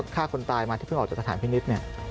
ฆ่าคนตายมาที่เพิ่งออกจากสถานพิมพินิษฐ์